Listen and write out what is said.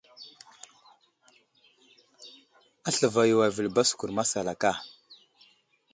Aslva yo avəli baskur masalaka.